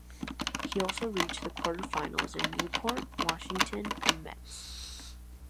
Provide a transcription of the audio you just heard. He also reached the quarterfinals in Newport, Washington and Metz.